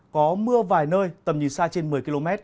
có mưa vài nơi tầm nhìn xa trên một mươi km